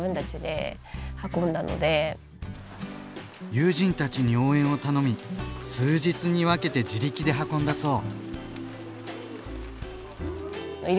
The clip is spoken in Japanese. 友人たちに応援を頼み数日に分けて自力で運んだそう。